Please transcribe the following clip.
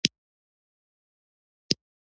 د پښتو علمي لیکنې باید زیاتې سي.